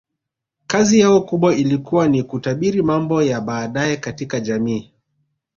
Kazi yao kubwa ilikuwa ni kutabiri mambo ya baadaye katika jamii